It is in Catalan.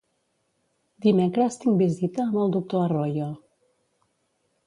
Dimecres tinc visita amb el doctor Arroyo.